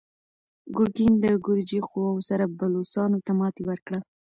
ګورګین د ګرجي قواوو سره بلوڅانو ته ماتې ورکړه.